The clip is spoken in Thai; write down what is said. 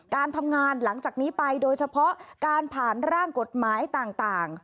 การทำงานหลังจากนี้ไปโดยเฉพาะการผ่านร่างกฎหมายต่าง